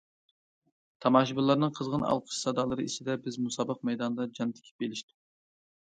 تاماشىبىنلارنىڭ قىزغىن ئالقىش سادالىرى ئىچىدە بىز مۇسابىقە مەيدانىدا جان تىكىپ ئېلىشتۇق.